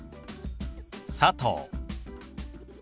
「佐藤」。